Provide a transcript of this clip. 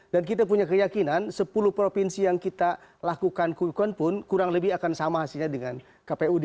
dan kita punya keyakinan sepuluh provinsi yang kita lakukan qicon pun kurang lebih akan sama hasilnya dengan kpud